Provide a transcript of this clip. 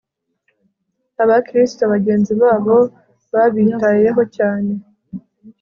abakristo bagenzi babo babitayeho cyane